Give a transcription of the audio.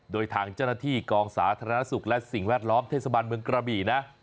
โดยทางเจ้าหน้าที่กองสาธารณสุขและสิ่งแวดล้อมเทศบาลเมืองกระบี่นะ